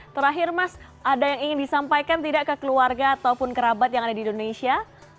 terakhir mas ada yang ingin disampaikan tidak ke keluarga ataupun kerabat yang ada di indonesia